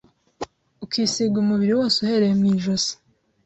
ukisiga umubiri wose uhereye mu ijosi